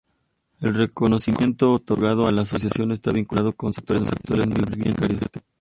El reconocimiento otorgado a la Asociación está vinculado con sectores más bien bibliotecarios.